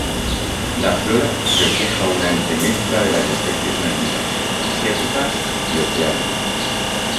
La flora refleja una entremezcla de las especies nativas, Asiáticas y Oceánicas.